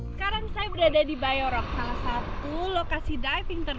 sekarang saya berada di bayorok salah satu lokasi diving ternama di desa pemuteran